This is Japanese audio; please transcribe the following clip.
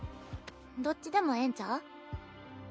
どっちでもええんちゃう？